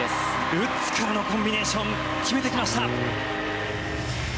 ルッツからのコンビネーション決めてきました。